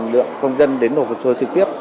lượng công dân đến nội phục sơ trực tiếp